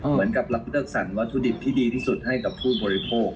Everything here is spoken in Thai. เหมือนกับเราเลือกสรรวัตถุดิบที่ดีที่สุดให้กับผู้บริโภค